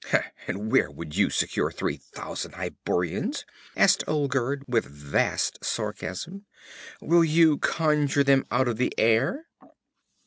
'And where would you secure three thousand Hyborians?' asked Olgerd with vast sarcasm. 'Will you conjure them out of the air?'